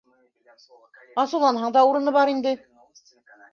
- Асыуланһаң да, урыны бар инде.